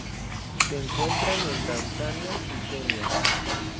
Se encuentran en Tanzania y Kenia.